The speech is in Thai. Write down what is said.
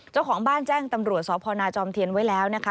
เจ้าของบ้านแจ้งตำรวจสพนาจอมเทียนไว้แล้วนะคะ